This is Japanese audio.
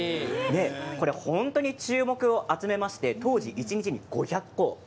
本当に注目を集めまして当時、一日に５００個。